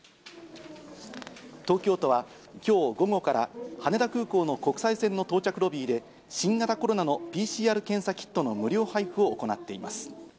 東京都は、きょう午後から羽田空港の国際線の到着ロビーで、新型コロナのＰＣＲ検査キットの無料配布を行っています。